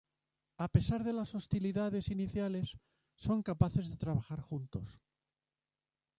A pesar de las hostilidades iniciales, son capaces de trabajar juntos.